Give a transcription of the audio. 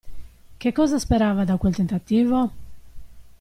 Che cosa sperava da quel tentativo?